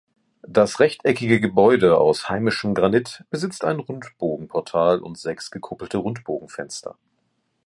Das rechteckige Gebäude aus heimischem Granit besitzt ein Rundbogenportal und sechs gekuppelte Rundbogenfenster.